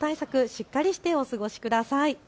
しっかりしてお過ごしください。